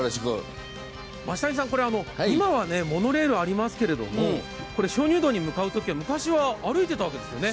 今はモノレールがありますけれども、鍾乳洞に向かうときは昔は歩いていたんですよね。